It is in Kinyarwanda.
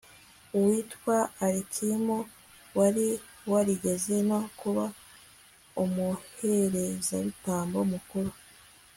uwitwa alikimu wari warigeze no kuba umuherezabitambo mukuru